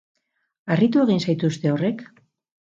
Harritu egin zaituzte horrek?